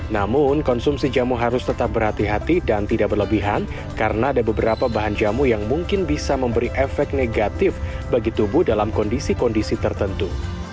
namun konsumsi jamu harus tetap berhati hati dan tidak berlebihan karena ada beberapa bahan jamu yang mungkin bisa memberi efek negatif bagi tubuh dalam kondisi kondisi tertentu